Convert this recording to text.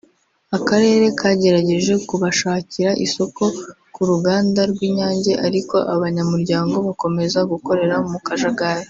akarere kagerageje kubashakira isoko ku ruganda rw’Inyange ariko abanyamuryango bakomeza gukorera mu kajagari